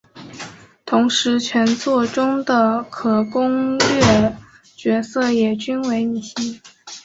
同时全作中的可攻略角色也均为女性。